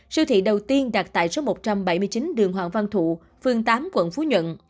siêu thị đầu tiên đặt tại số một trăm bảy mươi chín đường hoàng văn thụ phường tám quận phú nhuận